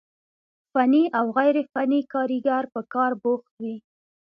فني او غير فني کاريګر په کار بوخت وي،